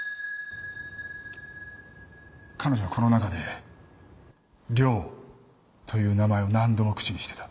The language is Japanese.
彼女はこの中で「ＲＹＯ」という名前を何度も口にしてた。